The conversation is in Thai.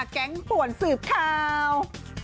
แก๊งป่วนสืบข่าว